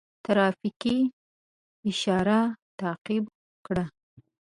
ترافیکي اشاره تعقیب کړه.